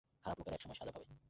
খারাপ লোকেরা একসময় সাজা পাবে।